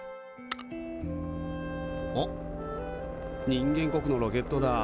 人間国のロケットだ。